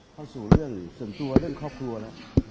เข้าสู่เรื่องส่วนตัวเรื่องครอบครัวแล้ว